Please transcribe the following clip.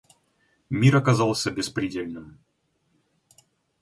Мир оказался беспредельным.